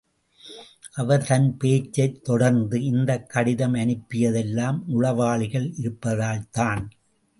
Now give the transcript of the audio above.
அவர் தன் பேச்சைத் தொடர்ந்து, இந்தக் கடிதம் அனுப்பியதெல்லாம் உளவாளிகள் இருப்பதால்தான்.